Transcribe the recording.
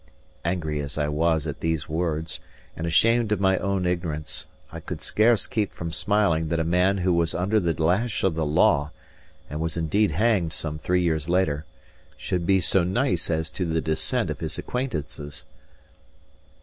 Angry as I was at these words, and ashamed of my own ignorance, I could scarce keep from smiling that a man who was under the lash of the law (and was indeed hanged some three years later) should be so nice as to the descent of his acquaintances.